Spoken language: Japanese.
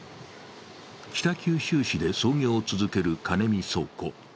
北九州市で操業を続けるカネミ倉庫。